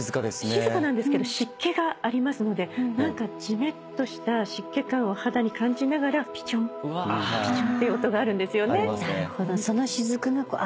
静かなんですけど湿気がありますので何かじめっとした湿気感を肌に感じながらピチョンピチョンっていう音があるんですよね。ありますね。